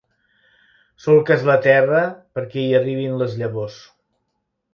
Solques la terra perquè hi arribin les llavors.